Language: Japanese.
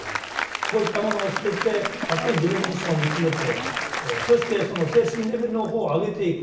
こういったものを捨ててやっぱり自分自身を見つめてそしてその精神レベルのほうを上げていく。